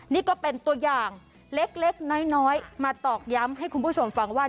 นี่ก็เป็นตัวอย่างเล็กน้อยมาตอกย้ำให้คุณผู้ชมฟังว่า